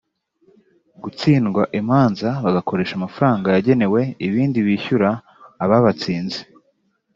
gutsindwa imanza bagakoresha amafaranga yagenewe ibindi bishyura ababatsinze